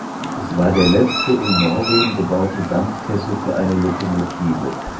Es war der letzte in Norwegen gebaute Dampfkessel für eine Lokomotive.